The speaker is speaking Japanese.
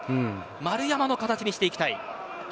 丸山の形にしていきたい。